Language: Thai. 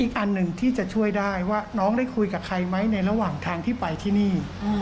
อันหนึ่งที่จะช่วยได้ว่าน้องได้คุยกับใครไหมในระหว่างทางที่ไปที่นี่